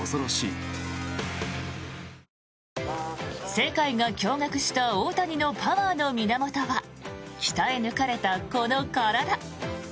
世界が驚がくした大谷のパワーの源は鍛え抜かれたこの体。